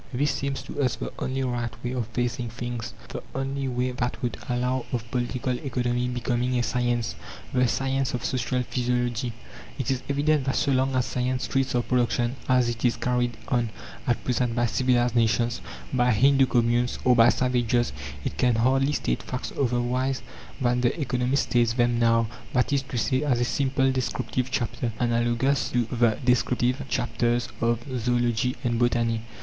This seems to us the only right way of facing things. The only way that would allow of Political Economy becoming a science the Science of Social Physiology. It is evident that so long as science treats of production, as it is carried on at present by civilized nations, by Hindoo communes, or by savages, it can hardly state facts otherwise than the economists state them now; that is to say, as a simple descriptive chapter, analogous to the descriptive chapters of Zoology and Botany.